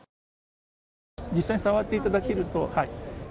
実際に触っていただけると。